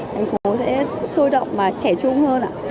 thành phố sẽ sôi động và trẻ trung hơn